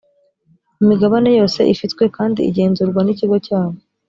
imigabane yose ifitwe kandi igenzurwa n’ikigo cyabo